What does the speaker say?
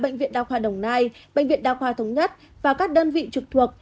bệnh viện đa khoa đồng nai bệnh viện đa khoa thống nhất và các đơn vị trực thuộc